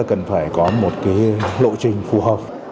chúng ta cần phải có một cái lộ trình phù hợp